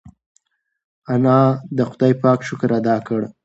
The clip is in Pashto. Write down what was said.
انا د خدای پاک شکر ادا کړ.